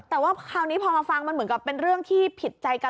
แต่ว่าคราวนี้พอมาฟังมันเหมือนกับเป็นเรื่องที่ผิดใจกัน